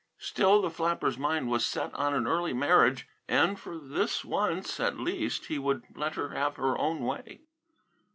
Still, the flapper's mind was set on an early marriage, and, for this once, at least, he would let her have her own way.